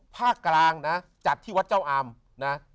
ภาคกลางนะจัดที่วัดเจ้าอามนะ